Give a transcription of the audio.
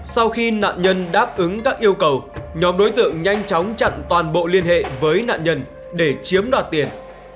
sau khi nạn nhân đáp ứng các yêu cầu nhóm đối tượng nhanh chóng chặn toàn bộ liên hệ với nạn nhân để chiếm đoạt tiền